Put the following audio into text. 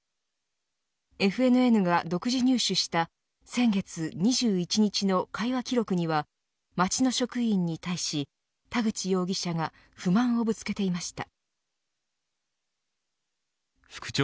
ＦＮＮが独自入手した先月２１日の会話記録には町の職員に対し田口容疑者が不満をぶつけていました。